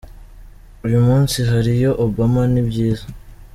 Uyu munsi hariyo Obama, ni byiza.